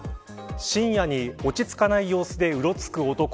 深夜に落ち着かない様子でうろつく男。